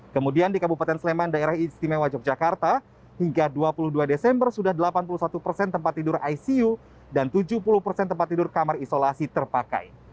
kemudian di kabupaten sleman daerah istimewa yogyakarta hingga dua puluh dua desember sudah delapan puluh satu persen tempat tidur icu dan tujuh puluh persen tempat tidur kamar isolasi terpakai